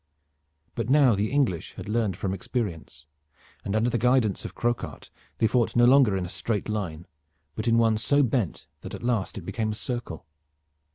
But now the English had learned from experience, and under the guidance of Croquart they fought no longer in a straight line, but in one so bent that at last it became a circle.